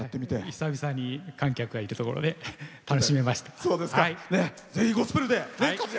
久々に観客がいるところで楽しめました。